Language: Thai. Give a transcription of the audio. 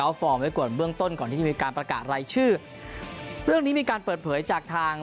ฟอร์มไว้ก่อนเบื้องต้นก่อนที่จะมีการประกาศรายชื่อเรื่องนี้มีการเปิดเผยจากทาง